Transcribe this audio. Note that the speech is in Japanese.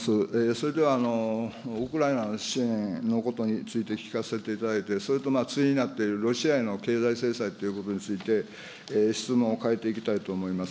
それでは、ウクライナの支援のことについて聞かせていただいて、それと対になっているロシアへの経済制裁ということについて、質問を変えていきたいと思います。